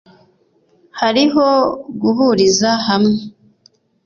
hariho guhuriza hamwe